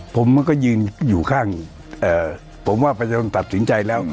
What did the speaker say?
ผมมันก็ยืนอยู่ข้างผมว่าประชาชนตัดสินใจแล้ว